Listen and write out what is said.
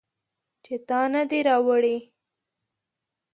چې تا نه دي راوړي